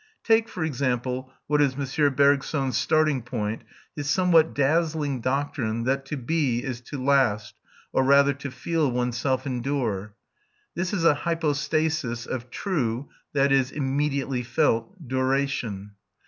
Take, for example, what is M. Bergson's starting point, his somewhat dazzling doctrine that to be is to last, or rather to feel oneself endure. This is a hypostasis of "true" (i.e. immediately felt) duration.